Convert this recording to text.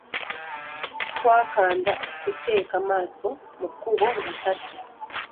Twakanda kuteeka maaso mu kkubo nga tadda.